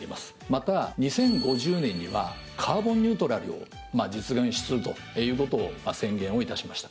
また２０５０年にはカーボンニュートラルを実現するということを宣言をいたしました。